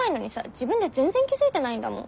自分で全然気付いてないんだもん。